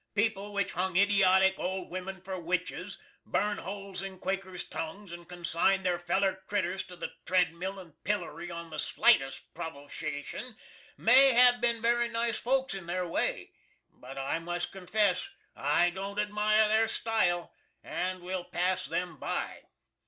Peple which hung idiotic old wimin for witches, burnt holes in Quakers' tongues and consined their feller critters to the tredmill and pillery on the slitest provocashun may hav bin very nice folks in their way, but I must confess I don't admire their stile, and will pass them by.